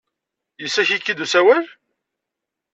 Yessaki-k-id usawal?